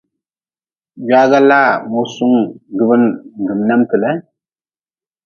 Gwaga laa musunga jubi n jum nemte le.